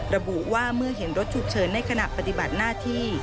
ระบุว่าเมื่อเห็นรถฉุกเฉินในขณะปฏิบัติหน้าที่